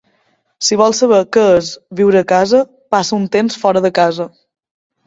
Si vols saber què és viure a casa, passa un temps fora de casa.